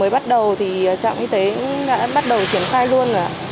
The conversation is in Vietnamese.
bắt đầu thì trạm y tế đã bắt đầu triển khai luôn rồi ạ